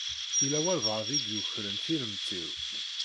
Yella walebɛaḍ i yukren tiremt-iw.